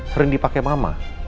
sering dipakai mama